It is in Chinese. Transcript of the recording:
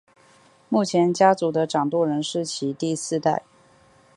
目前家族的掌舵人是其第四代。